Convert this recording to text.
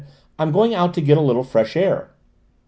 "I'm going out to get a little fresh air!"